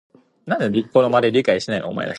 Therefore, the whole building acts as a giant display.